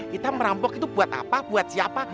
kita merampok itu buat apa buat siapa